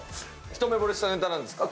ひと目ぼれしたネタなんですか？